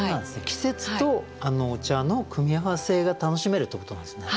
季節とお茶の組み合わせが楽しめるということなんですね。